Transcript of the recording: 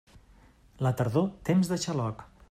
La tardor, temps de xaloc.